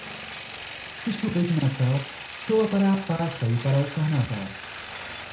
Se chover de Natal, chova para a Páscoa e para o Carnaval.